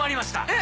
え！